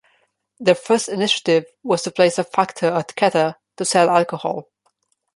Their first initiative was to place a factor at Keta to sell alcohol.